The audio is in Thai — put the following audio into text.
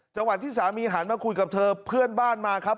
จังหวัดที่สามีหันมาคุยกับเธอเพื่อนบ้านมาครับ